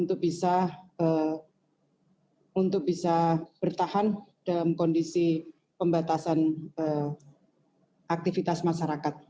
untuk bisa bertahan dalam kondisi pembatasan aktivitas masyarakat